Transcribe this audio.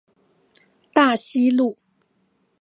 大溪路